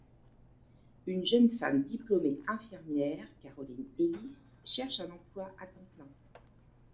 Une jeune femme diplômée infirmière, Caroline Ellis, cherche un emploi à temps plein.